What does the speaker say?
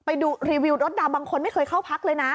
ไปดูรีวิวรถดาวบางคนไม่เคยเข้าพักเลยนะ